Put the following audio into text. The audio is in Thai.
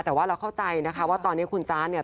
แต่ว่าเราเข้าใจนะคะว่าตอนนี้คุณจ๊ะเนี่ย